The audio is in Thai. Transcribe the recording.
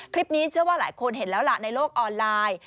คลิปนี้เชื่อว่าหลายคนเห็นแล้วล่ะในโลกออนไลน์